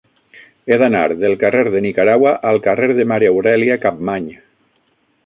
He d'anar del carrer de Nicaragua al carrer de Maria Aurèlia Capmany.